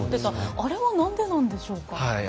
あれは何でなんでしょうか。